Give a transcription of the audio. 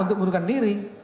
untuk mengundurkan diri